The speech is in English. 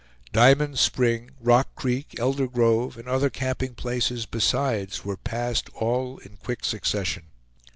Diamond Spring, Rock Creek, Elder Grove, and other camping places besides, were passed all in quick succession.